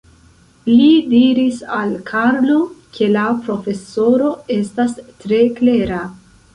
Li diris al Karlo, ke la profesoro estas tre klera.